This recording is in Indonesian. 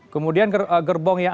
kemudian gerbong yang